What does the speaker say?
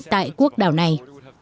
tại quốc đảo này